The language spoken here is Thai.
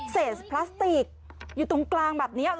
เศษพลาสติกอยู่ตรงกลางแบบนี้